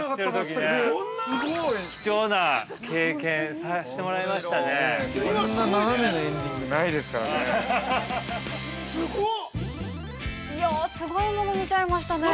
貴重な経験させてもらいましたね。